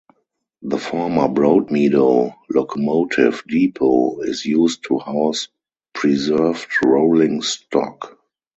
The former Broadmeadow Locomotive Depot is used to house preserved rolling stock.